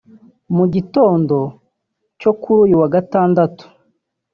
Mu gitondo cyo kuri uyu wa Gandatatu